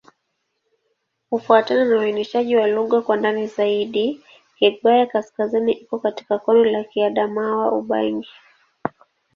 Kufuatana na uainishaji wa lugha kwa ndani zaidi, Kigbaya-Kaskazini iko katika kundi la Kiadamawa-Ubangi.